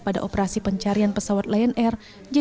pada operasi pencarian pesawatnya